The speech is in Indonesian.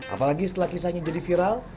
apalagi setelah kisahnya jadi viral